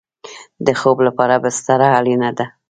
د خوب لپاره بستره اړین ده